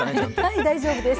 はい大丈夫です。